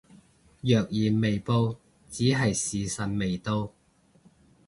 若然未報只係時辰未到